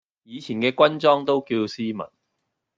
以前嘅軍裝都叫斯文